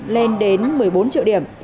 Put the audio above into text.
lên đến một mươi bốn triệu điểm